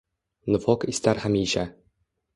Nifoq istar hamisha».